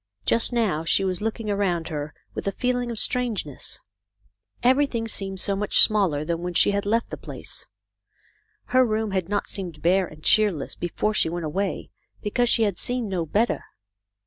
Just now she was looking around her with a feeling of strangeness. Every thing seemed so much smaller than when she had left the place. Her room had not seemed bare and cheerless before she went away, because she had seen no better.